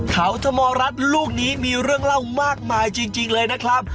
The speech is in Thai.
เขาธมรัฐลูกนี้มีเรื่องเล่ามากมายจริงเลยนะครับ